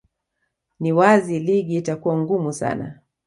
ni wazi ligi itakuwa ngumu sana